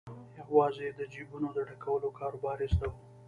یوازې د جیبونو د ډکولو کاروبار یې زده وو.